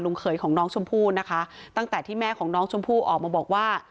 เขยของน้องชมพู่นะคะตั้งแต่ที่แม่ของน้องชมพู่ออกมาบอกว่า